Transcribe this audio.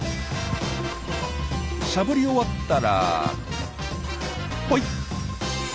しゃぶり終わったらぽいっ。